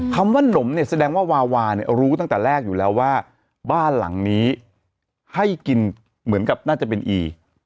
คำว่านมเนี่ยแสดงว่าวาวาเนี่ยรู้ตั้งแต่แรกอยู่แล้วว่าบ้านหลังนี้ให้กินเหมือนกับน่าจะเป็นอี